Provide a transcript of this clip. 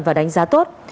và đánh giá tốt